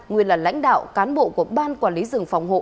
nguyên là lãnh đạo cán bộ của ban quản lý rừng phòng hộ